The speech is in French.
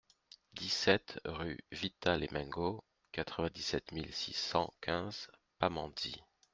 dix-sept rUE VITA LEMENGO, quatre-vingt-dix-sept mille six cent quinze Pamandzi